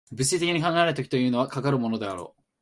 物理的に考えられる時というのは、かかるものであろう。